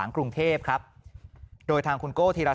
อารมณ์ไม่ดีเพราะว่าอะไรฮะ